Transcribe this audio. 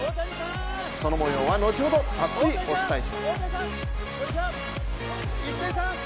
そのもようは、後ほどたっぷりお伝えします。